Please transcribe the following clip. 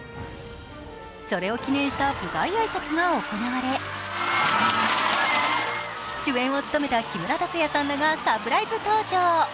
それを記念した舞台挨拶が行われ主演を務めた木村拓哉さんらがサプライズ登場。